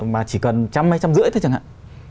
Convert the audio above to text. mà chỉ cần một trăm linh hay một trăm năm mươi thôi chẳng hạn